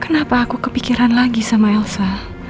kenapa aku kepikiran lagi sama elsa